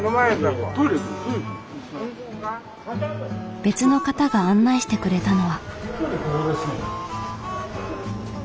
別の方が案内してくれたのは。